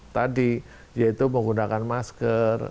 tadi yaitu menggunakan masker